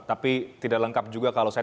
tapi tidak lengkap juga kalau saya